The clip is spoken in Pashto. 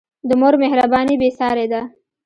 د مور مهرباني بېساری ده.